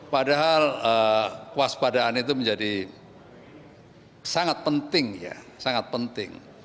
padahal kewaspadaan itu menjadi sangat penting ya sangat penting